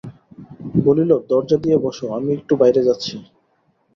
বলিল, দরজা দিয়ে বসো, আমি একটু বাইরে যাচ্ছি।